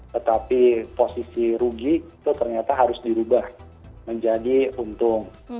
tetapi posisi rugi itu ternyata harus dirubah menjadi untung